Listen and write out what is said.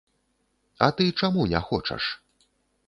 А ты чаму не хочаш?